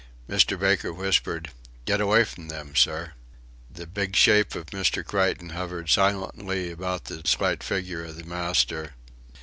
Mr. Baker whispered: "Get away from them, sir." The big shape of Mr. Creighton hovered silently about the slight figure of the master.